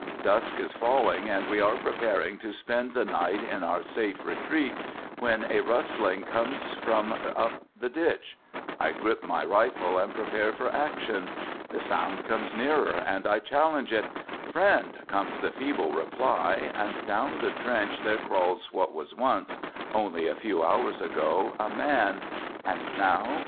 ... Dusk is falling, and we are preparing to spend the night in our safe retreat when a rustling comes from up the ditch. I grip my rifle and prepare for action. The sound comes nearer and I challenge it. " Friend," comes the feeble reply, and down the trench there crawls what was once — only a few hours ago — a man, and now.